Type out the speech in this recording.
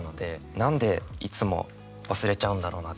何でいつも忘れちゃうんだろうなって